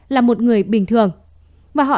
là một người bình thường và họ